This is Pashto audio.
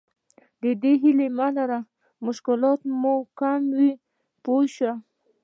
د دې هیله مه لره مشکلات مو کم وي پوه شوې!.